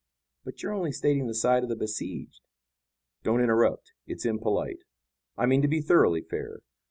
"But you're only stating the side of the besieged." "Don't interrupt. It's impolite. I mean to be thoroughly fair.